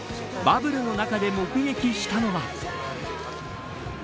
バブルの中で目撃したのは。